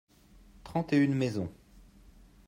trente et une maisons.